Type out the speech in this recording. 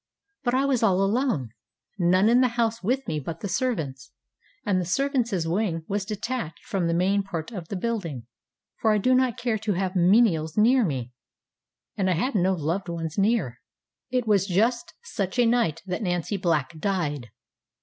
But I was all alone; none in the house with me but the servants, and the servantsŌĆÖ wing was detached from the main part of the building, for I do not care to have menials near me, and I had no loved ones near. It was just such a night that Nancy Black died.